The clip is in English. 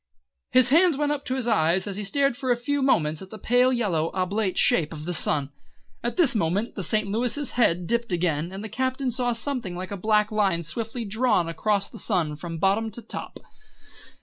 His hands went up to his eyes and he stared for a few moments at the pale yellow oblate shape of the sun. At this moment the St. Louis' head dipped again, and the Captain saw something like a black line swiftly drawn across the sun from bottom to top.